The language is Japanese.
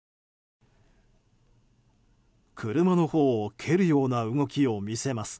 車のほうを蹴るような動きを見せます。